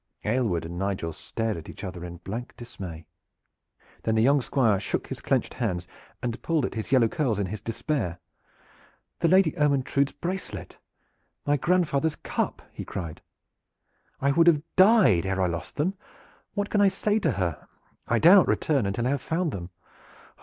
Aylward and Nigel stared at each other in blank dismay. Then the young Squire shook his clenched hands and pulled at his yellow curls in his despair. "The Lady Ermyntrude's bracelet! My grandfather's cup!" he cried. "I would have died ere I lost them! What can I say to her? I dare not return until I have found them.